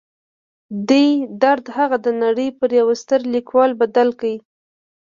دې درد هغه د نړۍ پر یوه ستر لیکوال بدل کړ